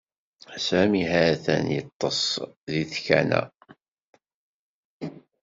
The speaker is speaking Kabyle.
Sami ha-t-an yeṭṭes deg tkanna.